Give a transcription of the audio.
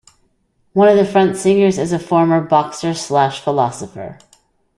One of the front singers is a former boxer-slash-philosopher.